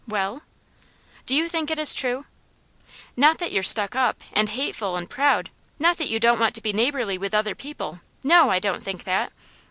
"Well?" "Do you think it is true?" "Not that you're stuck up, and hateful and proud, not that you don't want to be neighbourly with other people, no, I don't think that.